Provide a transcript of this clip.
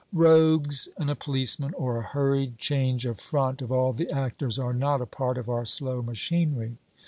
Rogues and a policeman, or a hurried change of front of all the actors, are not a part of our slow machinery.